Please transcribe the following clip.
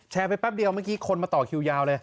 ไปแป๊บเดียวเมื่อกี้คนมาต่อคิวยาวเลย